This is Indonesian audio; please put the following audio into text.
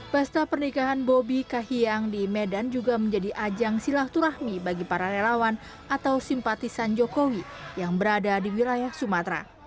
pesta pernikahan bobi kahiyang di medan juga menjadi ajang silaturahmi bagi para relawan atau simpatisan jokowi yang berada di wilayah sumatera